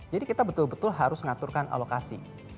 jadi kita betul betul harus mengaturkan alokasi